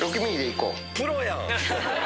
プロやん。